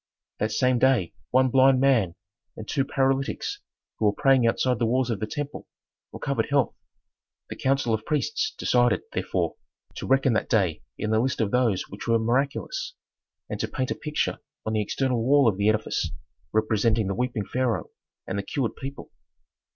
That same day one blind man and two paralytics, who were praying outside the walls of the temple, recovered health. The council of priests decided, therefore, to reckon that day in the list of those which were miraculous, and to paint a picture on the external wall of the edifice representing the weeping pharaoh and the cured people.